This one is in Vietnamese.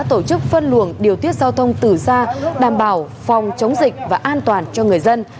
tổ chức phân luồng điều tiết giao thông từ xa đảm bảo phòng chống dịch và an toàn cho người dân